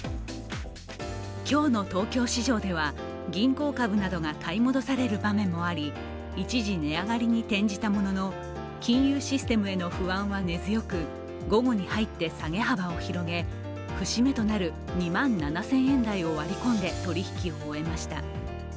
今日の東京市場では銀行株などが買い戻される場面もあり一時、値上がりに転じたものの金融システムへの不安は根強く午後に入って下げ幅を広げ節目となる２万７０００円台を割り込んで取引を終えました。